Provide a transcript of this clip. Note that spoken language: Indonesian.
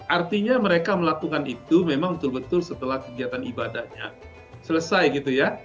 artinya mereka melakukan itu memang betul betul setelah kegiatan ibadahnya selesai gitu ya